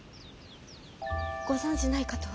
ご存じないかと。